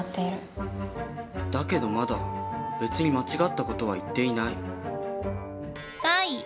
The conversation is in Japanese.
だけどまだ別に間違った事は言っていない。